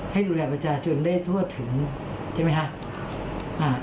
ให้ดูแลประชาชนได้ทั่วถึงใช่ไหมคะ